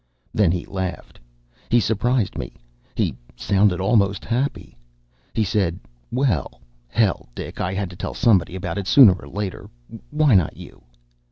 Then he laughed. He surprised me; he sounded almost happy. He said, "Well, hell, Dick I had to tell somebody about it sooner or later. Why not you?"